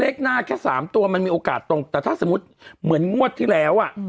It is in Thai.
เลขหน้าแค่สามตัวมันมีโอกาสตรงแต่ถ้าสมมุติเหมือนงวดที่แล้วอ่ะ